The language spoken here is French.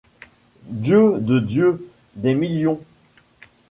Dieu de Dieu ! des millions !…